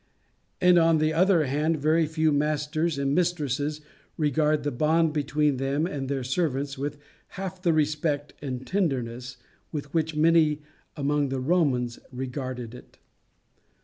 And, on the other hand, very few masters and mistresses regard the bond between them and their servants with half the respect and tenderness with which many among the Romans regarded it.